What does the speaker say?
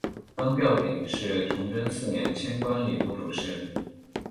张调鼎是崇祯四年迁官礼部主事。